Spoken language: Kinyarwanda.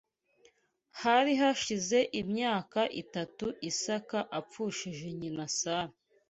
Hari hashize imyaka itatu Isaka apfushije nyina Sara